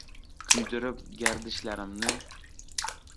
Kuydirib gardishlarimni